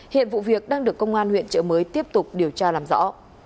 hiện vụ việc đang được công an huyện trợ mới tiếp tục điều tra làm rõ